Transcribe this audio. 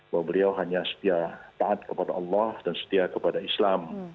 bahwa beliau hanya setia taat kepada allah dan setia kepada islam